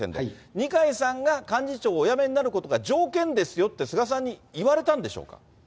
二階さんが幹事長をお辞めになることが条件ですよと、菅さんに言われたんでしょうか。